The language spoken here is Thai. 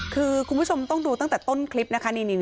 คือคุณผู้ชมต้องดูตั้งแต่ต้นคลิปนะคะ